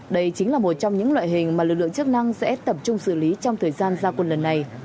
đây chính là một trong những loại hình mà lực lượng chức năng sẽ tập trung xử lý trong thời gian gia quân lần này